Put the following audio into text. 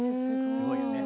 すごいよね。